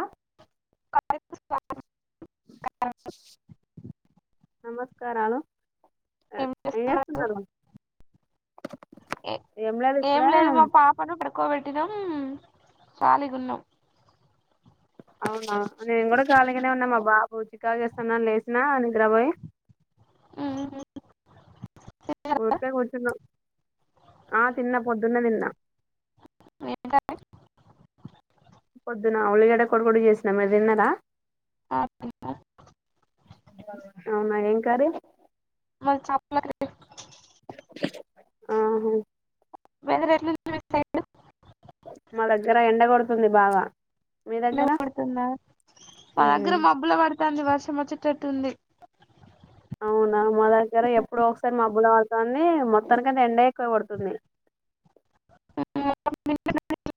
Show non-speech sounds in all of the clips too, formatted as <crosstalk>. ఆ నమస్కారాలు! ఏ ఏం జేస్తున్నారు.? ఏ ఏం లేదు మా పాపను పడుకోబెట్టినాం. ! ఖాలిగున్నం. అవునా. ! నేను గూడా ఖాళిగానే ఉన్నా మా బా. బు చికాకు జేస్తాన్నాన్ లేసినా నిద్రబోయి. ఊరుకే కూర్చున్నా. ఆ తిన్న పొద్దున్నే దిన్న. ఏం కర్రీ.? పొద్దున్న ఉల్లిగడ్డ కోడిగుడ్డు జేసినా. మీరు దిన్నారా.? ఆ తిన్నా. అవునా. ! ఏం కర్రీ.? మాది చాపల కర్రీ. ఆహా. ! వేధర్ ఎట్లుంది మీ సైడు.? మా దగ్గర ఎండా గొడుతుంది బాగా. మీ దగ్గర పడుతుందా. మా దగ్గర ఉమ్ మబ్బుల బడుతాంది వర్షం వచ్చేటట్టుంది. అవున్. అవున మా దగ్గర ఎప్పుడో ఒకసారి మబ్బుల బడతాంది. మొత్తానికైతే ఎండే ఎక్కువ కొడుతుంది., <inaudible>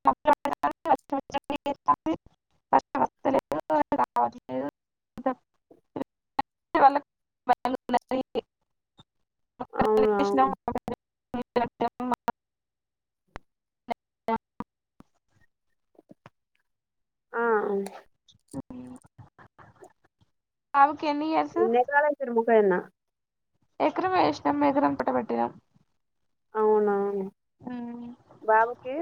<inaudible> <inaudible> అవునా <inaudible> ఆ ఆమ్మ్. ఊ ఆమెకెన్నియర్సు.? పోయిన్న. ఎక్రమే ఏసినాం, ఎకరం పట్టబెట్టినాం. అవునా. బాబుకి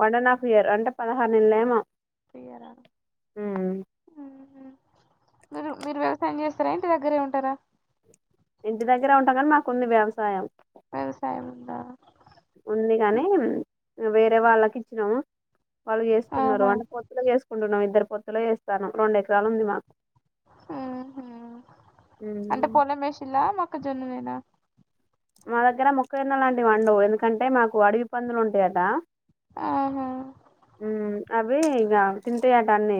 వన్ అండ్ హాఫ్ ఇయర్., అంటే పదహార్నెలేమో. క్లియరా ఉహు మీరు మీరు వ్యవసాయం చేస్తరా ఇంటి దగ్గరే ఉంటరా. ఇంటి దగ్గరే ఉంటాం గనీ మాకుంది వ్యవసాయం. వ్యవసాయం ఉందా ఉంది గనీ వేరే వాళ్ళకి ఇచ్చినమ్ వాళ్ళు చేస్తున్నరు ఆహా అంటే పొత్తుల చేసుకుంటున్నాం ఇద్దరు పొత్తులో చేస్తానం రెండు ఎకరాలు ఉంది మాకు. హ్ హు అంటే ఉమ్. పొలమేషిల్లా మొక్కజొన్ననేనా. మా దగ్గర మొక్కజొన్నలాంటివి పండవు ఎందుకంటే మాకు అడివి పందులు ఉంటయట. హ్ హు హ్ అవి ఇగ తింటయటా అన్నీ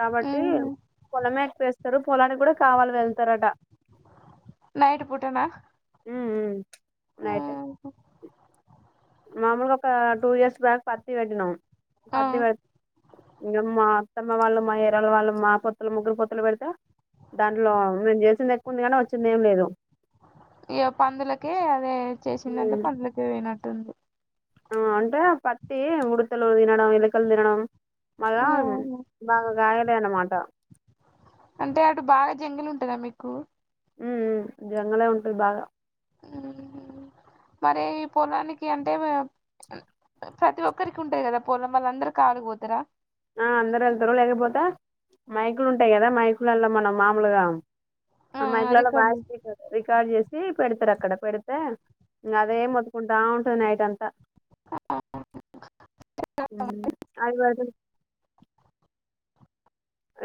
కాబట్టి ఉహు. పొలమే ఎక్కువేస్తరు పొలానికి గూడా కావల వెళ్తారట. నైట్ పూటనా నైటే ఉహు. మామూలుగా ఒకా టూ ఇయర్స్ బ్యాక్ పత్తి పెట్టినాం ఆ పత్తి పె. మా అత్తమ్మ వాళ్ళు మా యారాలు వాళ్ళు మా పొత్తుల ముగ్గురు పొత్తుల పెడుతా దాంట్లో మేమ్ చేసింది ఎక్కువుంది కానీ వచ్చింది ఏం లేదు. ఇగ పందులకే అదే చేసిందంటే పందులకే పోయినట్టుంది ఆ అంటే పత్తి ఉడతలు తినడం ఎలకలు తినడం. మళ్ళా ఉహు. బాగా గాయలే అన్నమాట అంటే అటు బాగా జంగిల్ ఉంటందా మీకూ. హ్ హ్ జంగలే ఉంటది బాగా హ్ మరి ఈ పొలానికి అంటే అ ప్రతి ఒక్కరికి ఉంటాయి కదా పొలం వాళ్ళ అందరు కావలి పోతరా. ఆ అందరు ఎళ్తరు లేకపోతే మైకులు ఉంటయి గదా మైకులల్లా మనం మామూలుగా. ఆ మైకులల్ల వాయిస్ రికార్డ్ రికార్డ్ జేస్ సి పెడతరు అక్కడ పెడితే ఇంకా అదే మొత్తుకుంటా ఉంటది నైట్ అంతా. అదివారం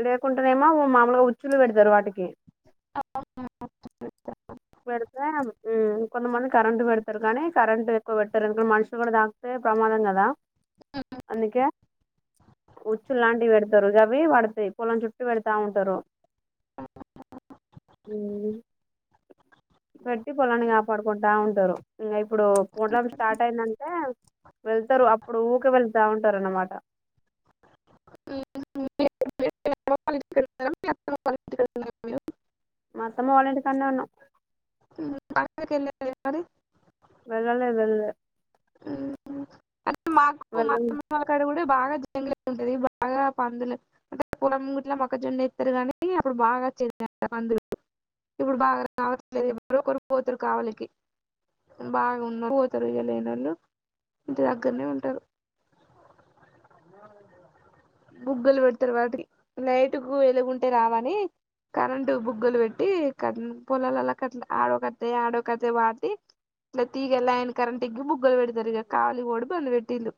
లేకుంటేనేమో మామలుగా ఉచ్చుళ్లు పెడుతరు వాటికి హ <unintelligible> పెడితే ఉ కొంతమంది కరెంట్ పెడతరు గానీ కరెంట్ ఎక్కువ పెట్టరు ఎందుకంటె మనుషులు గూడా తాక్తే ప్రమాదంగద అందుకే ఉచ్చులులాంటివి పెడతరు అవి పడతయ్ పొలం చుట్టు పెడతా ఉంటరు ఆ అ అ అ హ్ పెట్టి పొలాన్ని కాపాడుకుంటా ఉంటరు ఇంగ ఇప్పుడు పొలం స్టార్ట్ అయిందంటే వెళ్తారు అప్పుడు ఊకె వెళ్తా ఉంటరు అనమాట <unintelligible> మా అత్తమ్మ వాలింటి కాన్నె ఉన్నమ్ అందు కెళ్ళలేదుమరీ వెళ్ళలె వెళ్ళలే హ్ అంటే మాకు మా వెళ్ళం అత్తమ్మ వాళ్ళ కాడా బాగా జంగలి ఉంటది బాగా ఇంకా పందులు అంటే పొలం గిట్లా మొక్కజొన్న ఎత్తర్ గనీ అప్పుడు బాగా అచ్చేది పందులు ఇప్పుడు బాగా రావట్లేదు ఎవరో ఒకరు పోతరు కావలికి బాగా ఉన్నో పోతరు ఇగ లేనోళ్ళు ఇంటి దగ్గరనే ఉంటరు బుగ్గలు పెడతరు వాటికి లైటు కు ఎలుగుంటే రావని కరెంటు బుగ్గలు పెట్టి కరె పొలాలక్ కట్ల ఆడోకట్టే ఆడోకట్టే పాతి ఇట్ల తీగే లైన్ కరెంట్ ఇగ్గి బుగ్గలు పెడతరు ఇగ కావాలి పోవుడు బందు పెట్టిళ్ళు